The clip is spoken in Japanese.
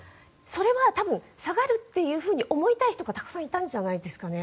それは多分下がるというふうに思いたい人が、たくさんいたんじゃないですかね。